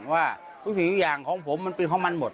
ว่าทุกสิ่งทุกอย่างของผมมันเป็นของมันหมด